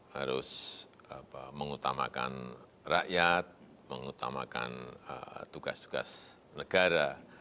harus mengutamakan rakyat mengutamakan tugas tugas negara